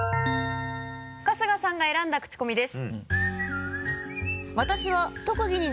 春日さんが選んだクチコミです。